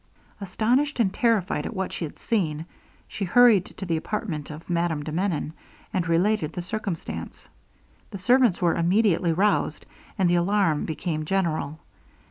Astonished and terrified at what she had seen, she hurried to the apartment of Madame de Menon, and related the circumstance. The servants were immediately roused, and the alarm became general.